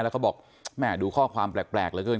แล้วก็บอกแม่ดูข้อความแปลกเหลือเกิน